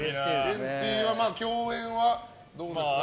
ケンティーは共演はどうですか？